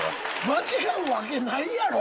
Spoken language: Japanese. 間違うわけないやろ！